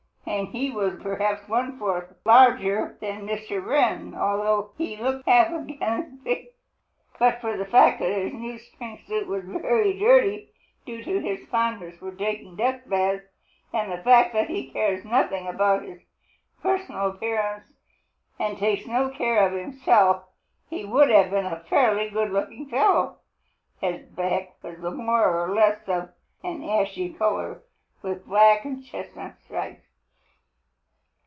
He was perhaps one fourth larger than Mr. Wren, although he looked half again as big. But for the fact that his new spring suit was very dirty, due to his fondness for taking dust baths and the fact that he cares nothing about his personal appearance and takes no care of himself, he would have been a fairly good looking fellow. His back was more or less of an ashy color with black and chestnut stripes.